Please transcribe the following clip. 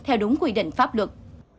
theo đúng quy định pháp luật